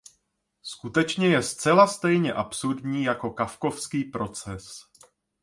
Skutečně je zcela stejně absurdní, jako kafkovský proces.